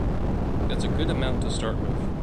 That's a good amount to start with.